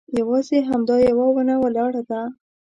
یوازې همدا یوه ونه ولاړه ده.